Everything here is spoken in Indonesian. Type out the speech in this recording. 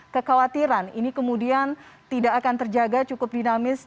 kekhawatiran ini kemudian tidak akan terjaga cukup dinamis